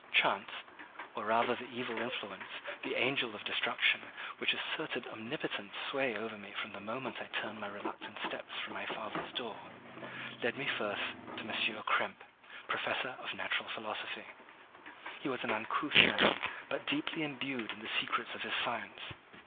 Chance—or rather the evil influence, the Angel of Destruction, which asserted omnipotent sway over me from the moment I turned my reluctant steps from my father's door—led me first to M. Krempe, professor of natural philosophy. He was an uncouth man, but deeply imbued in the secrets of his science.